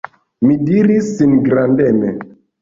Mi diris, singardeme!